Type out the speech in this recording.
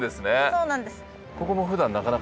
そうなんです。